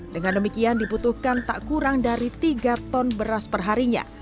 dengan demikian dibutuhkan tak kurang dari tiga ton beras perharinya